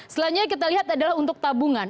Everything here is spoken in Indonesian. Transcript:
selanjutnya kita lihat adalah untuk tabungan